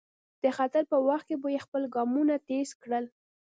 د خطر په وخت کې به یې خپل ګامونه تېز کړل.